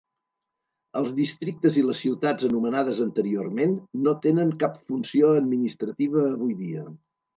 Els districtes i les ciutats anomenades anteriorment no tenen cap funció administrativa avui dia.